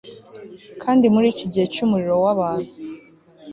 kandi muriki gihe cyumuriro wabantu